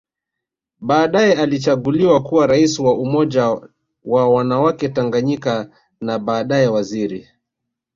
Baadae alichaguliwa kuwa Rais wa Umoja wa wanawake Tanganyika na baadae Waziri